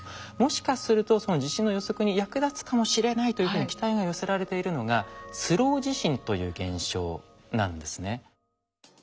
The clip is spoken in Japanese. もしかするとその地震の予測に役立つかもしれないというふうに期待が寄せられているのがスロー地震という現象なんですね。